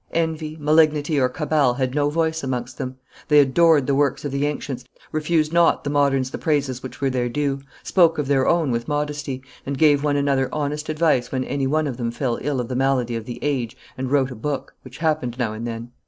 Envy, malignity, or cabal had no voice amongst them; they adored the works of the ancients, refused not the moderns the praises which were their due, spoke of their own with modesty, and gave one another honest advice when any one of them fell ill of the malady of the age and wrote a book, which happened now and then.